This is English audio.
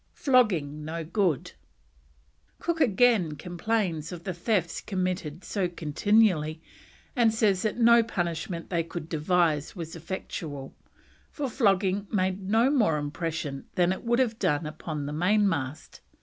FLOGGING NO GOOD. Cook again complains of the thefts committed so continually, and says that no punishment they could devise was effectual, for "flogging made no more impression than it would have done upon the mainmast."